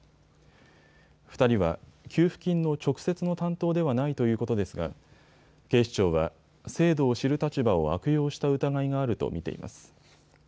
２人は給付金の直接の担当ではないということですが警視庁は、制度を知る立場を悪用した疑いがあると見ています。